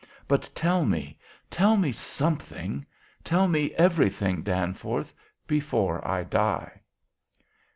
But tell me, tell me something, tell me everything, Danforth, before I die!'